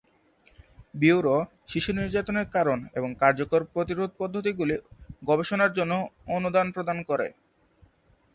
Bureau শিশু নির্যাতনের কারণ এবং কার্যকর প্রতিরোধ পদ্ধতিগুলি গবেষণার জন্য অনুদান প্রদান করে।